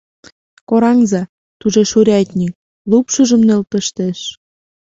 Кораҥза! — тужеш урядник, лупшыжым нӧлтыштеш.